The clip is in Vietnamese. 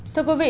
thưa quý vị